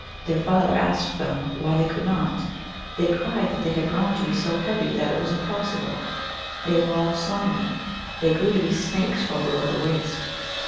Their father asked them why they could not. They cried that they had grown to be so heavy that it was impossible. They were all slimy ; they grew to be snakes from below the waist.